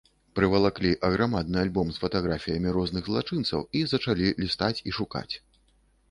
Прывалаклі аграмадны альбом з фатаграфіямі розных злачынцаў і зачалі лістаць і шукаць.